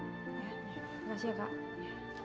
terima kasih ya kak